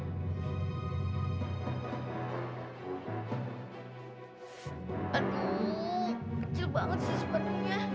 aduh kecil banget sih sebenarnya